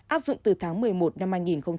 áp dụng từ tháng một mươi một năm hai nghìn hai mươi